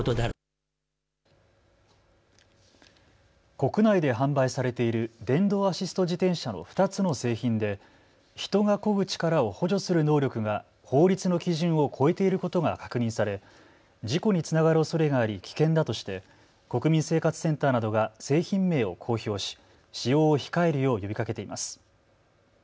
国内で販売されている電動アシスト自転車の２つの製品で、人がこぐ力を補助する能力が法律の基準を超えていることが確認され、事故につながるおそれがあり危険だとして国民生活センターなどが製品名を公表し使用を控えるよう呼びかけています。